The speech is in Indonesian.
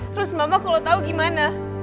terus mama kalau tahu gimana